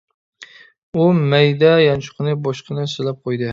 ئۇ مەيدە يانچۇقىنى بوشقىنە سىلاپ قويدى.